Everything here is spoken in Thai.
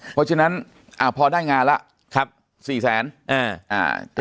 เพราะฉะนั้นอ่าพอได้งานแล้วครับสี่แสนอ่า